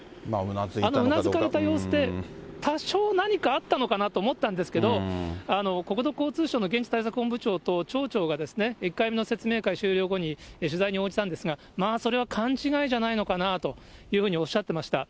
うなずいた様子で、多少何かあったのかなと思ったんですけど、国土交通省の現地対策本部長と町長がですね、１回目の説明会終了後に、取材に応じたんですが、まあそれは勘違いじゃないのかなというふうにおっしゃってました。